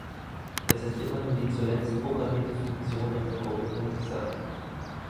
Es ist immer nur die zuletzt programmierte Funktion aus der Gruppe wirksam.